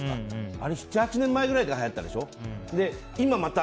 あれ、７８年ぐらい前にはやったでしょ。